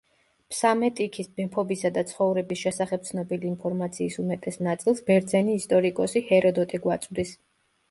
ფსამეტიქის მეფობისა და ცხოვრების შესახებ ცნობილი ინფორმაციის უმეტეს ნაწილს ბერძენი ისტორიკოსი ჰეროდოტე გვაწვდის.